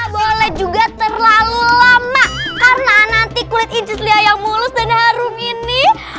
boleh juga terlalu lama karena nanti kulit incis lia yang mulus dan harum ini